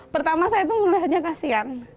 pertama saya itu mulai hanya kasihan